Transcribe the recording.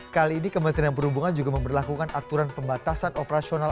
kali ini kementerian perhubungan juga memperlakukan aturan pembatasan operasional